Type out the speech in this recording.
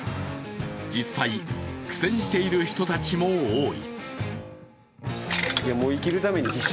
実際、苦戦している人たちも多い。